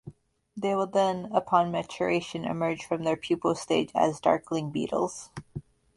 They will then, upon maturation, emerge from their pupal stage as darkling beetles.